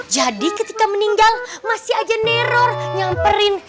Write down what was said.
jadi ketika meninggal masih aja teror nyamperin